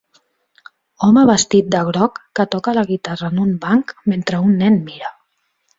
Home vestit de groc que toca la guitarra en un banc mentre un nen mira.